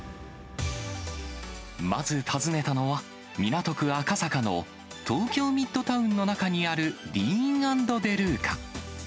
まず訪ねたのは、港区赤坂の東京ミッドタウンの中にあるＤＥＡＮ＆デルーカ。